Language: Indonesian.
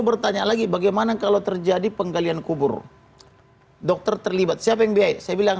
bertanya lagi bagaimana kalau terjadi penggalian kubur dokter terlibat siapa yang baik saya bilang